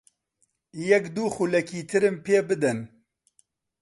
یەک دوو خولەکی ترم پێ بدەن.